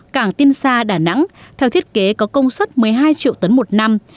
cảng tiên sa đà nẵng theo thiết kế có công suất một mươi hai triệu tấn một năm